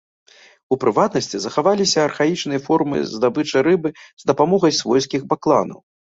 У прыватнасці, захаваліся архаічныя формы здабычы рыбы з дапамогай свойскіх бакланаў.